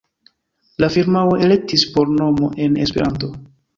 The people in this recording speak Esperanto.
La firmao elektis por nomo en Esperanto.